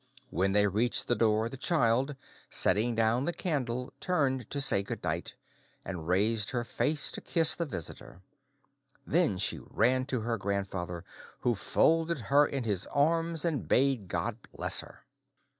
When they reached the door, the child, setting down the candle, turned to say good night, and raised her face to kiss the visitor. Then she ran to her grandfather, who folded her in his arms and bade God bless her.